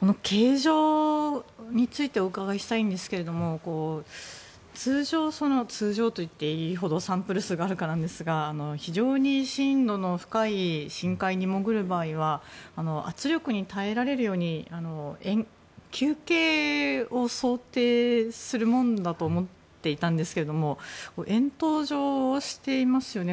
この形状についてお伺いししたいんですが通常、通常と言っていいほどサンプル数があるかなんですが非常に深度の深い深海に潜る場合は圧力に耐えられるように球形を想定するものだと思っていたんですけれども円筒状をしていますよね。